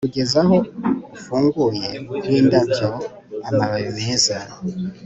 kugeza aho ufunguye nk'indabyo, amababi meza